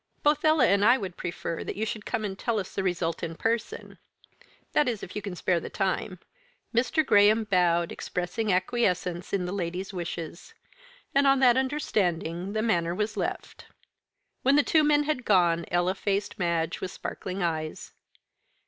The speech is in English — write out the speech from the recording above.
Both Ella and I would prefer that you should come and tell us the result in person that is if you can spare the time." Mr. Graham bowed, expressing acquiescence in the lady's wishes. And on that understanding the matter was left. When the two men had gone, Ella faced Madge with sparkling eyes.